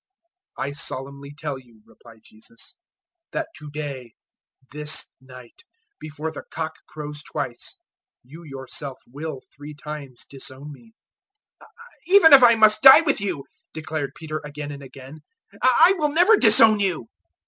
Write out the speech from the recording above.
014:030 "I solemnly tell you," replied Jesus, "that to day this night before the cock crows twice, you yourself will three times disown me." 014:031 "Even if I must die with you," declared Peter again and again, "I will never disown you."